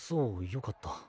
よかった。